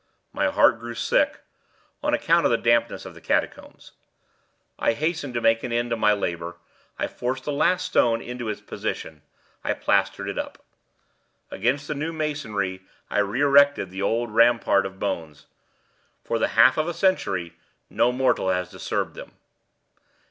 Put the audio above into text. My heart grew sick—on account of the dampness of the catacombs. I hastened to make an end of my labor. I forced the last stone into its position; I plastered it up. Against the new masonry I re erected the old rampart of bones. For the half of a century no mortal has disturbed them.